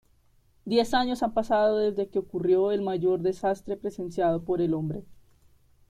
Diez años han pasado desde que ocurrió el mayor desastre presenciado por el hombre.